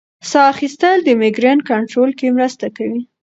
ساه اخیستل د مېګرین کنټرول کې مرسته کوي.